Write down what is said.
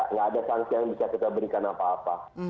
nggak ada sanksi yang bisa kita berikan apa apa